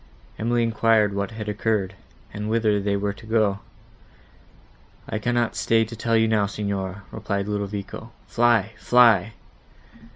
Emily enquired what had occurred, and whither they were to go? "I cannot stay to tell you now, Signora," replied Ludovico: "fly! fly!"